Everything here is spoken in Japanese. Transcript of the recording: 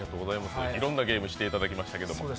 いろんなゲームをしていただきましたけれども。